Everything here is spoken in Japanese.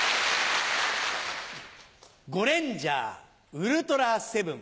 ゴレンジャーウルトラセブン。